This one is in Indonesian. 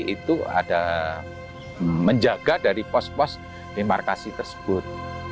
itu ada menjaga dari pos pos demarkasi tersebut